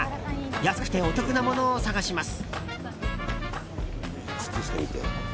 安くてお得なものを探します。